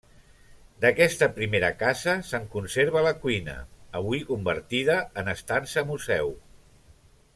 D'aquesta primera casa se'n conserva la cuina, avui convertida en estança museu.